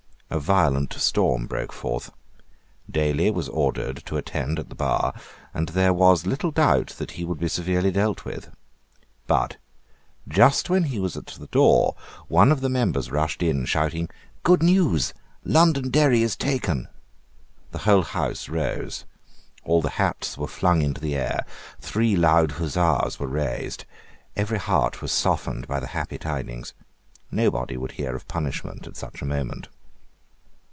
A violent storm broke forth. Daly was ordered to attend at the bar; and there was little doubt that he would be severely dealt with. But, just when he was at the door, one of the members rushed in, shouting, "Good news: Londonderry is taken." The whole House rose. All the hats were flung into the air. Three loud huzzas were raised. Every heart was softened by the happy tidings. Nobody would hear of punishment at such a moment.